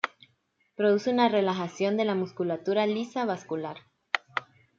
Produce una relajación de la musculatura lisa vascular.